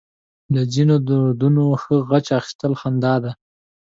له ځينو دردونو ښه غچ اخيستل خندا ده.